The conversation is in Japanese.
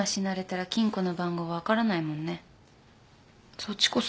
そっちこそ。